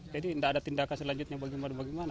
jadi tidak ada tindakan selanjutnya bagaimana bagaimana